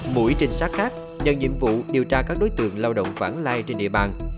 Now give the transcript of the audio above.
mũi trinh sát khác nhận nhiệm vụ điều tra các đối tượng lao động phản lai trên địa bàn